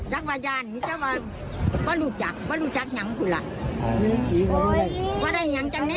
เม็ดมาแล้วขอบไมล่ะหลังใหม่หมดหลังใหม่หมดเลย